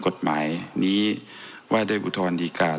ก็คือไปร้องต่อสารปกครองกลาง